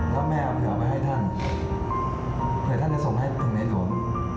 แล้วแม่เอาไปออกให้ท่านเผื่อท่านจะส่งให้ถึงในโดรม